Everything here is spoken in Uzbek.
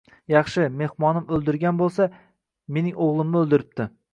— Yaxshi, mehmonim o’ldirgan bo’lsa, mening o’g’limni o’ldiribdi.